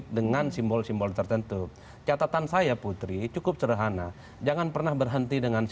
kait besok tidak ada kepastian